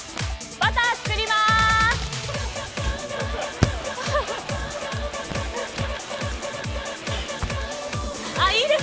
バター作ります！